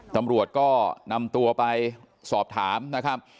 ตำรวจก็นำตัวไปสอบถามนะครับ